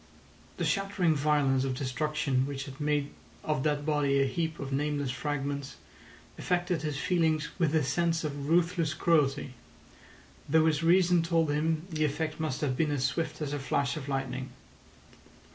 The shattering violence of destruction which had made of that body a heap of nameless fragments affected his feelings with a sense of ruthless cruelty, though his reason told him the effect must have been as swift as a flash of lightning.